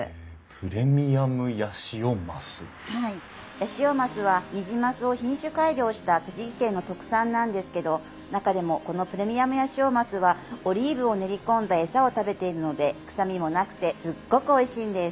ヤシオマスはニジマスを品種改良した栃木県の特産なんですけど中でもこのプレミアムヤシオマスはオリーブを練り込んだエサを食べているので臭みもなくてすっごくおいしいんです。